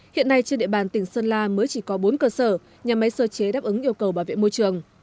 hiện nay trên địa bàn tỉnh sơn la mới chỉ có bốn cơ sở nhà máy sơ chế đáp ứng yêu cầu bảo vệ môi trường